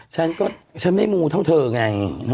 ฉันก็ฉันไม่มูเท่าเธอไง